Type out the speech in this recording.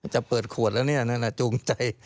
จะเปิดขวดแล้วเนี่ยอันนั้นแหละจูงใจ